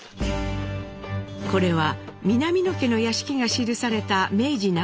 これは南野家の屋敷が記された明治中頃の地図。